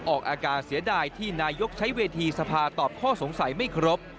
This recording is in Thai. ออกอาการเสียดายที่นายกใช้เวทีสภาตอบข้อสงสัยไม่ครบ